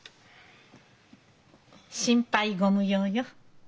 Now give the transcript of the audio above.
心配ご無用よ。